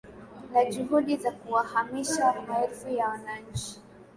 na juhudi za kuwahamisha maelfu ya wananchi